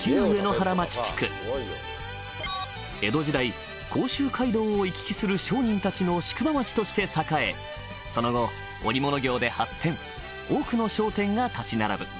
江戸時代甲州街道を行き来する商人たちの宿場町として栄えその後織物業で発展多くの商店が立ち並ぶ